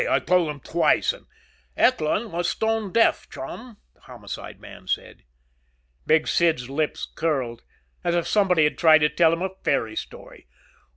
I told him twice an' " "Eckland was stone deaf, chum," the Homicide man said. Big Sid's lips curled. As if somebody had tried to tell him a fairy story.